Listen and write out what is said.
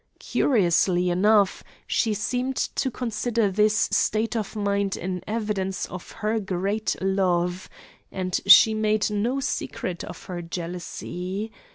Curiously enough, she seemed to consider this state of mind an evidence of her great love; and she made no secret of her jealousy.